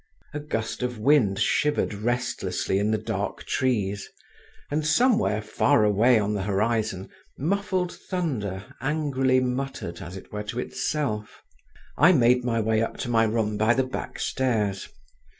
A gust of wind shivered restlessly in the dark trees, and somewhere, far away on the horizon, muffled thunder angrily muttered as it were to itself. I made my way up to my room by the back stairs.